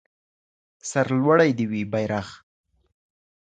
سرلوړی دې وي بيرغ.